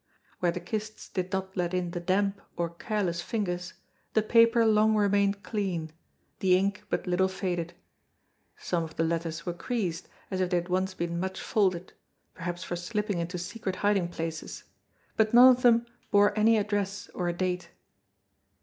Where the kists did not let in the damp or careless fingers, the paper long remained clean, the ink but little faded. Some of the letters were creased, as if they had once been much folded, perhaps for slipping into secret hiding places, but none of them bore any address or a date.